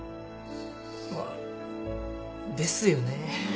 まぁですよねぇ。